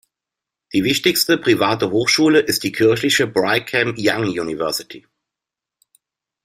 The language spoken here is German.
Die wichtigste private Hochschule ist die kirchliche Brigham Young University.